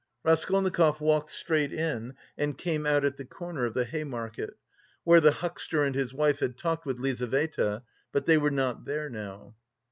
Raskolnikov walked straight on and came out at the corner of the Hay Market, where the huckster and his wife had talked with Lizaveta; but they were not there now.